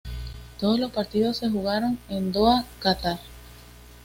Todos los partidos se jugaron en Doha, Catar.